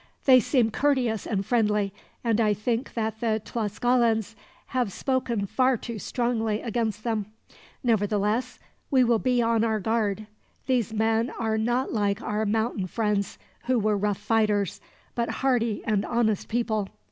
"They seem courteous and friendly, and I think that the Tlascalans have spoken far too strongly against them. Nevertheless we will be on our guard. These men are not like our mountain friends, who were rough fighters, but hearty and honest people.